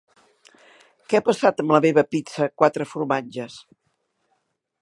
Què ha passat amb la meva pizza quatre formatges?